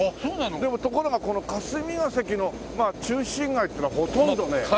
でもところがこの霞が関の中心街っていうのはほとんどね。